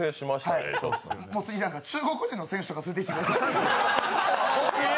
中国人の選手とか連れてきてください。